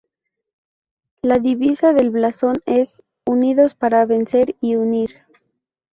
La divisa del blasón es: "Unidos para vencer y unir".